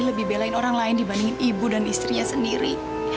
lebih belain orang lain dibandingin ibu dan istrinya sendiri